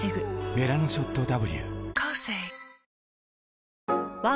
「メラノショットＷ」